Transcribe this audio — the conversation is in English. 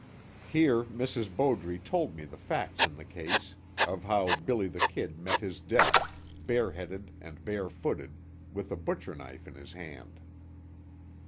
Here Mrs. Bowdre told me the facts in the case, of how "Billy the Kid" met his death, bare headed and bare footed, with a butcher knife in his hand.